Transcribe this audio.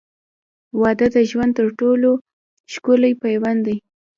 • واده د ژوند تر ټولو ښکلی پیوند دی.